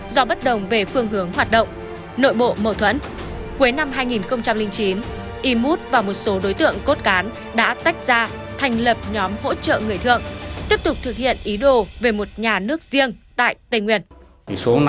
do bất đồng về phương hướng hoạt động nội bộ mâu thuẫn cuối năm hai nghìn chín imut và một số đối tượng cốt cán đã tách ra thành lập nhóm hỗ trợ người thượng tiếp tục thực hiện ý đồ về một nhà nước riêng tại tây nguyên